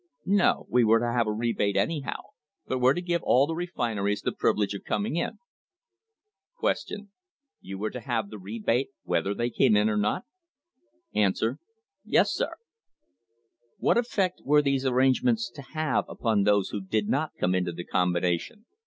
No; we were to have a rebate anyhow, but were to give all the refineries the privilege of coming in. Q. You were to have the rebate whether they came in or not ? A. Yes, sir. "What effect were these arrangements to have upon those who did not come into the combination